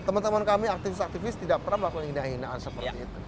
teman teman kami aktifis aktifis tidak pernah melakukan hina hinaan seperti itu